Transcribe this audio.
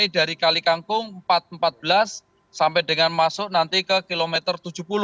dari kali kangkung empat ratus empat belas sampai dengan masuk nanti ke kilometer tujuh puluh